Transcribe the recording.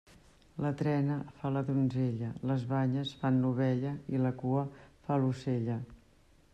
La trena fa la donzella, les banyes fan l'ovella i la cua fa l'ocella.